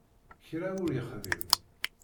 Kra ur yexdim.